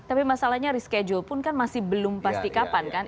tapi masalahnya reschedule pun kan masih belum pasti kapan kan